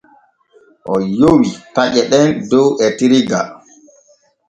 O yowi taƴe ɗen dow etirga.